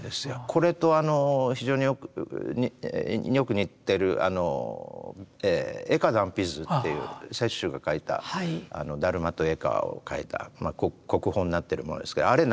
これと非常によく似てる「慧可断臂図」っていう雪舟が描いた達磨と慧可を描いた国宝になってるものですけどあれ